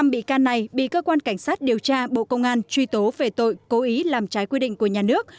năm bị can này bị cơ quan cảnh sát điều tra bộ công an truy tố về tội cố ý làm trái quy định của nhà nước